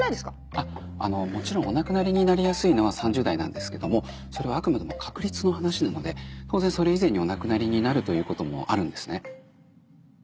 あっあのもちろんお亡くなりになりやすいのは３０代なんですけどもそれはあくまでも確率の話なので当然それ以前にお亡くなりになるということもあるんですね。